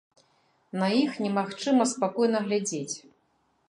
На іх немагчыма спакойна глядзець!